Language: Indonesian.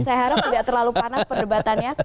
saya harap tidak terlalu panas perdebatannya